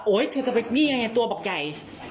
โอ๊ยทวนแบบนี้ไงตัวบักไก่